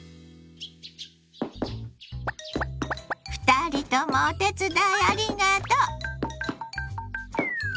２人ともお手伝いありがとう。